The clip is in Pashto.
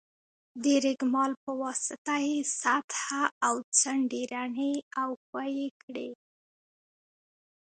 د رېګمال په واسطه یې سطحه او څنډې رڼې او ښوي کړئ.